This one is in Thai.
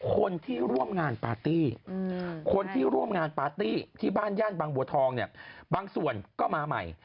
คนที่ร่วมงานปาร์ตี้คนที่ร่วมงานปาร์ตี้ที่บ้านย่านบางบัวทองเนี่ยบางส่วนก็มาใหม่